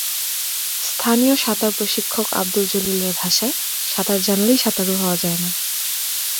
স্থানীয় সাঁতার প্রশিক্ষক আবদুল জলিলের ভাষায়, সাঁতার জানলেই সাঁতারু হওয়া যায় না।